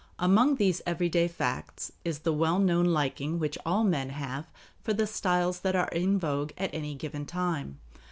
Among these everyday facts is the well known liking which all men have for the styles that are in vogue at any given time.